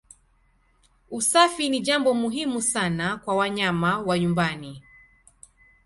Usafi ni jambo muhimu sana kwa wanyama wa nyumbani.